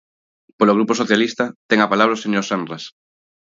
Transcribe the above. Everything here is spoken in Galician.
Polo Grupo Socialista, ten a palabra o señor Senras.